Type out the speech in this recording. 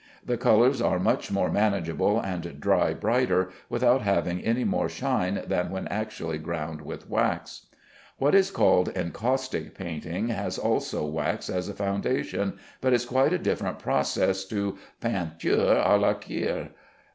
The colors are much more manageable and dry brighter, without having any more shine than when actually ground with wax. What is called encaustic painting has also wax as a foundation, but is quite a different process to "peinture à la cire."